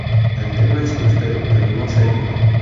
El tema es austero, pero no seco.